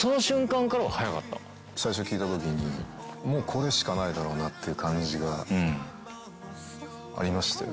最初聞いたときに、もう、これしかないだろうなっていう感じがありましたよ。